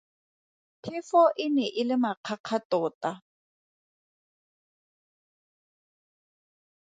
Phefo e ne e le makgakga tota.